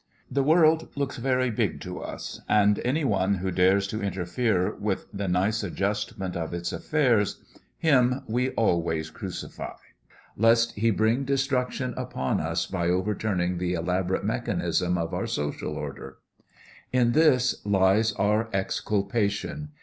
The world looks very big to us, and any one who dares to interfere with the nice adjustment of its affairs him we always crucify, lest he bring destruction upon us by overturning the elaborate mechanism of our social order. In this lies our exculpation.